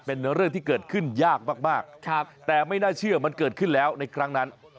เป็นเรื่องที่เกิดขึ้นยากมากแต่ไม่น่าเชื่อมันเกิดขึ้นแล้วในครั้งนั้น